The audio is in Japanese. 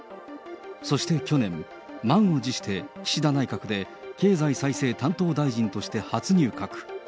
そして去年、満を持して岸田内閣で経済再生担当大臣として初入閣。